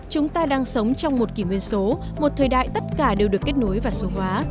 chúng ta đang sống trong một kỷ nguyên số một thời đại tất cả đều được kết nối và số hóa